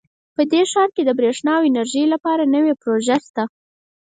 په دې ښار کې د بریښنا او انرژۍ لپاره نوي پروژې شته